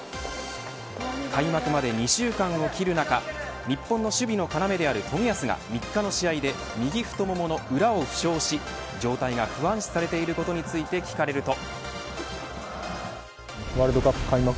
開幕まで２週間を切る中日本の守備の要である冨安が３日の試合で右太ももの裏を負傷し状態が不安視されていることについて聞かれると。